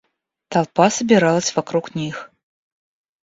Толпа собиралась вокруг них.